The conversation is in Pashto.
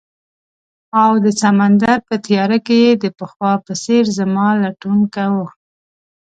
او د سمندر په تیاره کې یې د پخوا په څیر زما لټون کاؤه